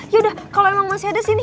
yaudah kalau emang masih ada sih nih